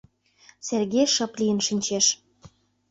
Сергей шып лийын шинчеш.